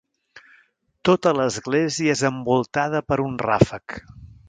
Tota l'església és envoltada per un ràfec.